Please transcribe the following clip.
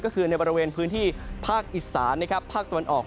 ก็คือในบริเวณพื้นที่ภาคอีสานนะครับภาคตะวันออก